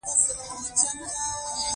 د پیتالوژي علم د بدن رازونه پټوي.